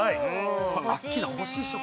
アッキーナ欲しいっしょ？